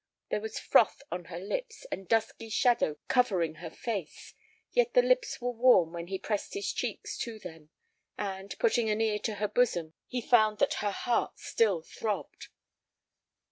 There was froth on her lips and dusky shadow covering her face, yet the lips were warm when he pressed his cheek to them, and, putting an ear to her bosom, he found that her heart still throbbed.